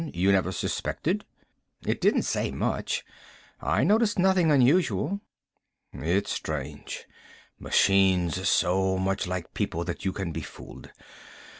You never suspected?" "It didn't say much. I noticed nothing unusual. "It's strange, machines so much like people that you can be fooled.